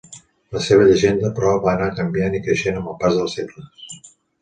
La seva llegenda, però, va anar canviant i creixent amb el pas dels segles.